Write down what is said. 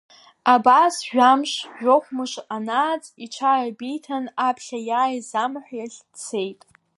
Абас жәамш, жәохә мыш анааҵ, иҽааибиҭан аԥхьа иааиз амаҳә иахь дцеит.